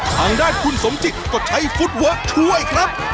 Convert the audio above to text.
ทางด้านคุณสมจิตก็ใช้ฟุตเวิร์คช่วยครับ